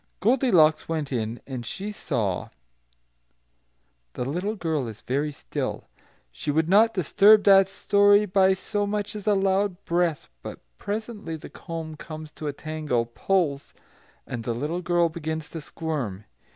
Goldilocks went in, and she saw" the little girl is very still; she would not disturb that story by so much as a loud breath; but presently the comb comes to a tangle, pulls, and the little girl begins to squirm.